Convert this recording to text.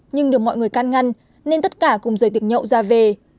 nhưng được mọi người can ngăn nên tất cả cùng rời tiệc nhậu ra về